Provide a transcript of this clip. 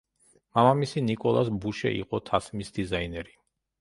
მამამისი ნიკოლას ბუშე იყო თასმის დიზაინერი.